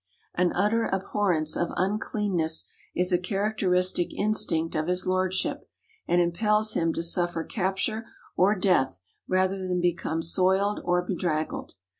An utter abhorrence of uncleanness is a characteristic instinct of his lordship, and impels him to suffer capture or death rather than become soiled or bedraggled.